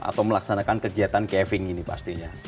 atau melaksanakan kegiatan caving ini pastinya